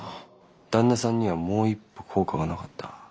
旦那さんにはもう一歩効果がなかった。